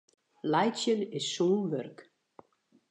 Laitsjen is sûn wurk.